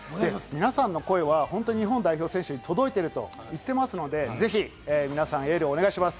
皆さまの声は本当に日本代表選手に届いていると言ってるので、皆さん、ぜひエールをお願いします。